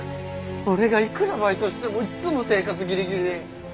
俺がいくらバイトしてもいつも生活ギリギリで。